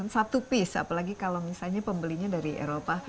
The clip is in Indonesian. satu piece apalagi kalau misalnya pembelinya dari eropa